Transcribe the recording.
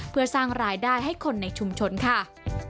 เพื่อสร้างรายได้ให้คนในชุมชนค่ะ